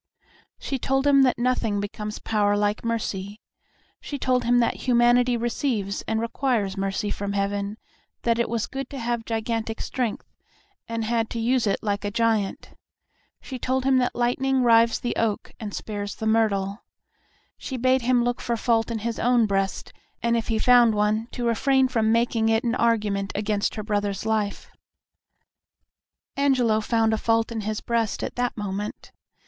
She told him that nothing becomes power like mercy. She told him that humanity receives and requires mercy from Heaven, that it was good to have gigantic strength, and had to use it like a giant. She told him that lightning rives the oak and spares the myrtle. She bade him look for fault in his own breast, and if he found one, to refrain from making it an argument against her brother's life. Angelo found a fault in his breast at that moment.